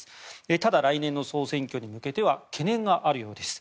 ただ来年の総選挙に向けては懸念があるようです。